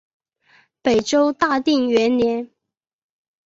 北周大定元年。